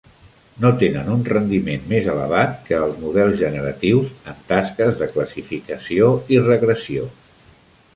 No tenen un rendiment més elevat que els models generatius en tasques de classificació i regressió.